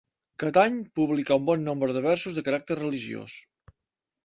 Catany publicà un bon nombre de versos de caràcter religiós.